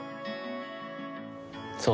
そう。